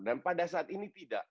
dan pada saat ini tidak